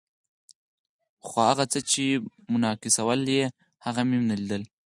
خو هغه څه چې منعکسول یې، هغه مې نه لیدل.